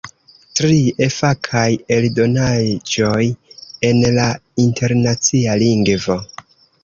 Trie, fakaj eldonaĵoj en la internacia lingvo.